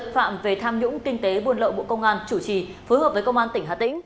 phạm về tham nhũng kinh tế buôn lậu bộ công an chủ trì phối hợp với công an tỉnh hà tĩnh